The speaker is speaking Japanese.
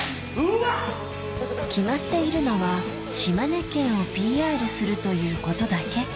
決まっているのは島根県を ＰＲ するということだけ